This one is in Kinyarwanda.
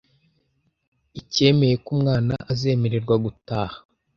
icyemeye ko umwana azemererwa gutaha